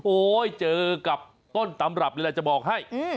โอ้ยเจอกับต้นตำรับนี่แหละจะบอกให้